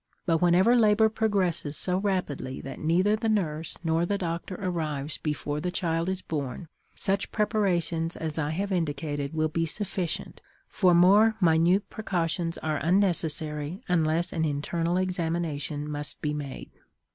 But whenever labor progresses so rapidly that neither the nurse nor the doctor arrives before the child is born, such preparations as I have indicated will be sufficient, for more minute precautions are unnecessary unless an internal examination must be made.